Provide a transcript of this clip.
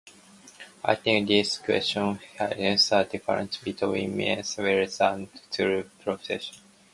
I think this quote highlights the distinction between mere wealth and true prosperity.